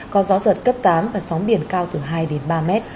có gió giật cấp tám và sóng biển cao từ hai đến ba mét